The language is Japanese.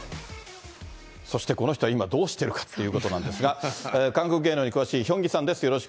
そしてこの人は今、どうしてるかということなんですが、韓国芸能に詳しいヒョンギさんです。